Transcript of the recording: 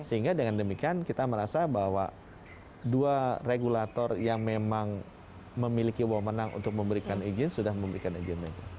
sehingga dengan demikian kita merasa bahwa dua regulator yang memang memiliki wawonan untuk memberikan izin sudah memberikan izin